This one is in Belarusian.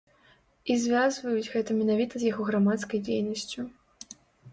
І звязваюць гэта менавіта з яго грамадскай дзейнасцю.